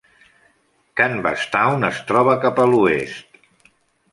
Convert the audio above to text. Canvastown es troba cap a l'oest.